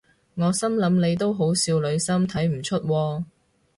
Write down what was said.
我心諗你都好少女心睇唔出喎